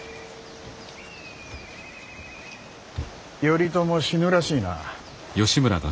頼朝死ぬらしいな。